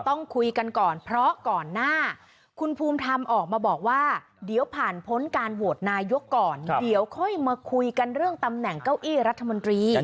ต้องรู้โคต้าตำแหน่งรัฐมนตรี